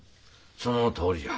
そのとおりじゃ。